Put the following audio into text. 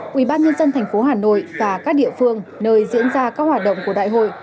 quỹ ban nhân dân thành phố hà nội và các địa phương nơi diễn ra các hoạt động của đại hội